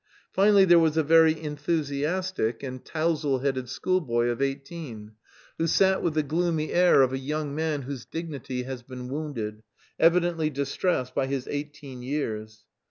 Finally there was a very enthusiastic and tousle headed schoolboy of eighteen, who sat with the gloomy air of a young man whose dignity has been wounded, evidently distressed by his eighteen years.